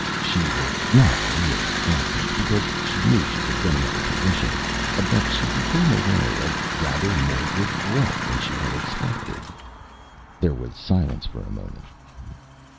She was not really frightened, because she knew she could get another position, but she became aware of rather more regret than she had expected. There was silence for a moment.